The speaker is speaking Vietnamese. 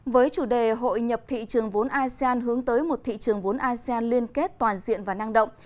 với chủ đề hội nhập thị trường vốn asean hướng tới một thị trường vốn asean liên kết toàn diện và năng động